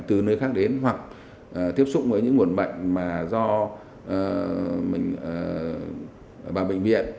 từ nơi khác đến hoặc tiếp xúc với những nguồn bệnh mà do vào bệnh viện